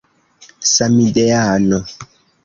samideano